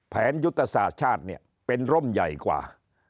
แผนยุตสาธารณ์ชาติเป็นร่มใหญ่กว่า